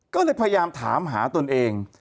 ก็เลยพยายามถามหาตนเอง